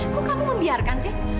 kok kamu membiarkan sih